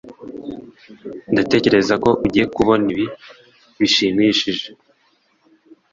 ndatekereza ko ugiye kubona ibi bishimishije